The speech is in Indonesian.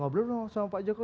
sudah pernah diajak ngobrol